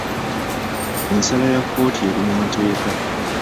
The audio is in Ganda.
Ensala ya kkooti eri mu mateeka.